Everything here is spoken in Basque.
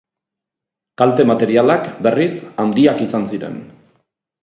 Kalte materialak, berriz, handiak izan ziren.